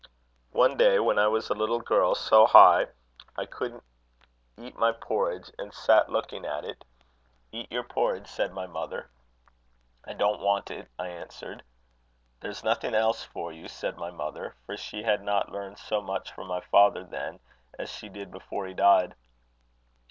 "One day, when I was a little girl, so high, I couldn't eat my porridge, and sat looking at it. 'Eat your porridge,' said my mother. 'I don't want it,' I answered. 'There's nothing else for you,' said my mother for she had not learned so much from my father then, as she did before he died.